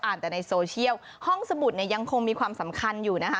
แต่ในโซเชียลห้องสมุดเนี่ยยังคงมีความสำคัญอยู่นะคะ